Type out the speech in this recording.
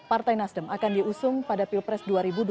partai nasdem akan diusung pada pilpres dua ribu dua puluh